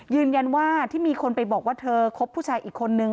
ยืนยันว่าที่มีคนไปบอกว่าเธอคบผู้ชายอีกคนนึง